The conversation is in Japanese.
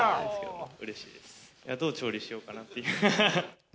どう調理しようかなっていう。